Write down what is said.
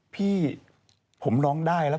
พี่ผมร้องได้แล้ว